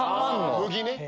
麦ね。